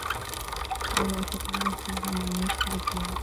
ۖ قَالُوا أَتَجْعَلُ فِيهَا مَنْ يُفْسِدُ فِيهَا